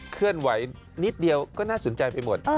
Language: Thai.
เคลื่อนไหวนิดเดียวก็น่าสนใจไปหมด